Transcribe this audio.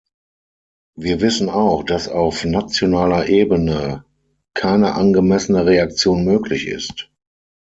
Wir wissen auch, dass auf nationaler Ebene keine angemessene Reaktion möglich ist.